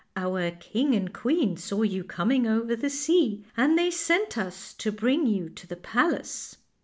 Our king and queen saw you coming over the sea, and they sent us to bring you to the palace."